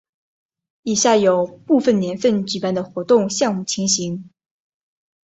以下有部分年份举办的活动项目情形。